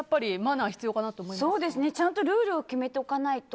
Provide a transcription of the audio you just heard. ちゃんとルールを決めておかないと。